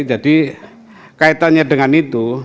jadi kaitannya dengan itu